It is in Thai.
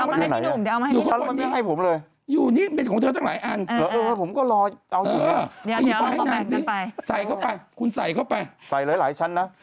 วันนี้ยอดเราเรียกได้ไหมคะ